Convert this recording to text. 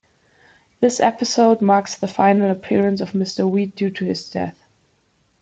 This episode marks the final appearance of Mr. Weed due to his death.